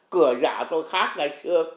cửa giả tôi khác ngày xưa